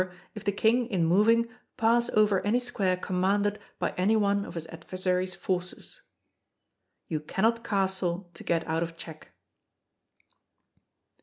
If the King, in moving, pass over any square commanded by any one of his adversary's forces. [You cannot castle to get out of check.